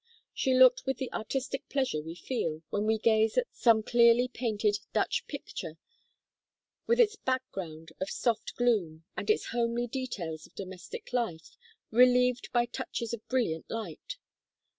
She looked with the artistic pleasure we feel, when we gaze at some clearly painted Dutch picture, with its back ground of soft gloom, and its homely details of domestic life, relieved by touches of brilliant light.